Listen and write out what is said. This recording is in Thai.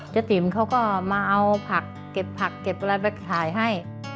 ติ๋มเขาก็มาเอาผักเก็บผักเก็บอะไรไปถ่ายให้